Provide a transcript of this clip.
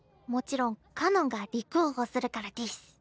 もちろんかのんが立候補するからデス。